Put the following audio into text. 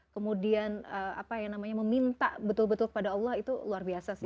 kemudian meminta betul betul kepada allah itu luar biasa sih